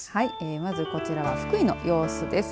まずこちらは福井の様子です。